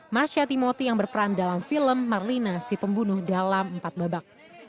marsha timoti yang berperan dalam film marlina si pembunuh dalam empat babak